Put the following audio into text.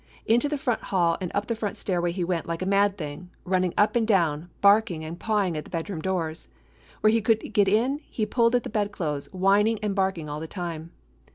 Into the front hall and up the front stairway he went like a mad thing, running up and down, barking and pawing at the bed room doors. Where he could get in he pulled at the bed clothes, whining and barking all the time.